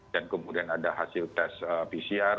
dan kemudian ada hasil tes pcr